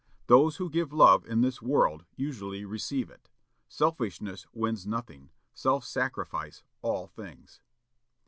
Those who give love in this world usually receive it. Selfishness wins nothing self sacrifice, all things.